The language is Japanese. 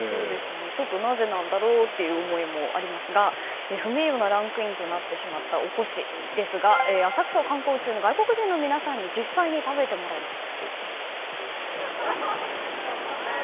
なぜなんだろうという思いもありますが不名誉なランクインとなってしまった、おこしですが浅草を観光中の外国人の皆さんに実際に食べてもらいました。